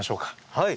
はい。